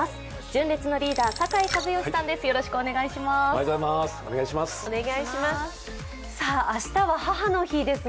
純烈のリーダー酒井一圭さんです。